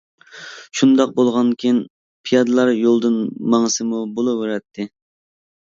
شۇنداق بولغانكىن پىيادىلەر يولىدىن ماڭسىمۇ بولۇۋېرەتتى.